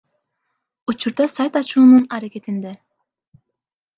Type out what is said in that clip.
Учурда сайт ачуунун аракетинде.